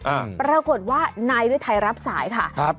อ่าปรากฏว่านายฤทัยรับสายค่ะครับ